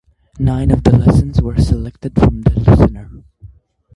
Nine of the lessons were selected from The Listener.